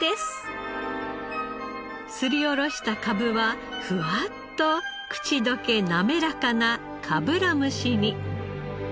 すりおろしたかぶはフワッと口溶けなめらかな蕪蒸しに。